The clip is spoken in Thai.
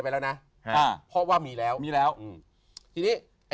มันผ่านเมียไปแล้วนะ